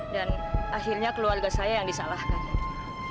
dan akhirnya keluarga saya yang disalahkan